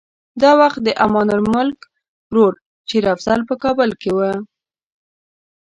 دا وخت د امان الملک ورور شېر افضل په کابل کې و.